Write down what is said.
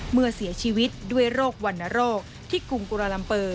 เมื่อเสียชีวิตด้วยโรควรรณโรคที่กรุงกุลาลัมเปอร์